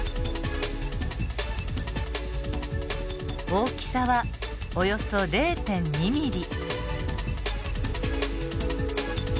大きさはおよそ０．２ミリ。